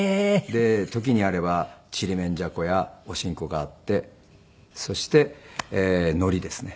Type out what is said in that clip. で時にあればちりめんじゃこやお新香があってそして海苔ですね。